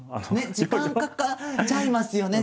時間かかっちゃいますよね